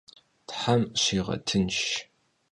Them şiğetınşş!